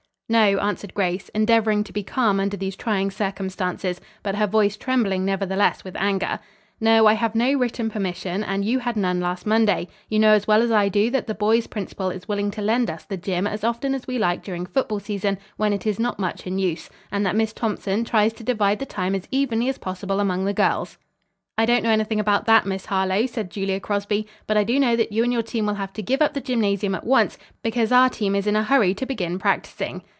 "No," answered Grace, endeavoring to be calm under these trying circumstances, but her voice trembling nevertheless with anger. "No, I have no written permission and you had none last Monday. You know as well as I do that the boys principal is willing to lend us the gym. as often as we like during football season, when it is not much in use; and that Miss Thompson tries to divide the time as evenly as possible among the girls." "I don't know anything about that, Miss Harlowe," said Julia Crosby. "But I do know that you and your team will have to give up the gymnasium at once, because our team is in a hurry to begin practising."